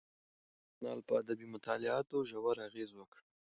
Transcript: دې ژورنال په ادبي مطالعاتو ژور اغیز وکړ.